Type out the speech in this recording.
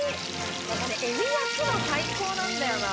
やっぱねエビ焼くの最高なんだよな。